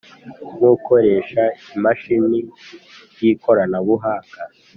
Nk ukoresha imashini y ikoranabuhanga